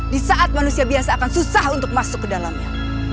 di saat manusia biasa akan susah untuk masuk ke dalamnya